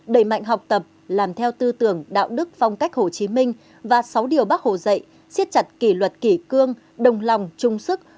đẩy mạnh học tập làm theo tư tưởng đạo đức phong cách hồ chí minh và sáu điều bác hồ dạy siết chặt kỷ luật kỷ cương đồng lòng trung sức